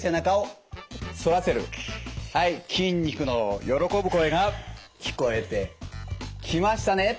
はい筋肉の喜ぶ声が聞こえてきましたね。